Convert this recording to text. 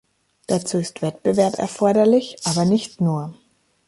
Dazu ist Wettbewerb erforderlich, aber nicht nur.